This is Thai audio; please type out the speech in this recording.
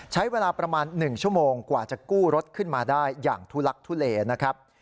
ใช้เวลาประมาณ๑ชั่วโมงกว่าจะกู้รถขึ้นมาได้อย่างทุลักทุเลนะครับ